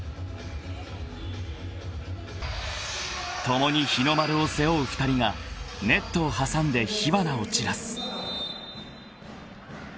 ［共に日の丸を背負う２人がネットを挟んで火花を散らす］